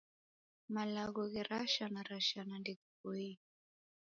Malagho gherashanarashana ndeghiboie.